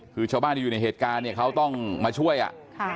คือชาวบ้านที่อยู่ในเหตุการณ์เนี่ยเขาต้องมาช่วยอ่ะ